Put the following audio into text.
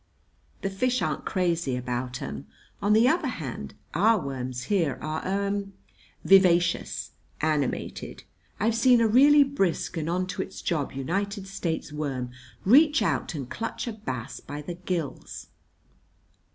The fish aren't crazy about 'em. On the other hand, our worms here are er vivacious, animated. I've seen a really brisk and on to its job United States worm reach out and clutch a bass by the gills."